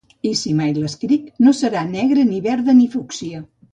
I si mai l'escric no serà negra ni verda ni fúcsia.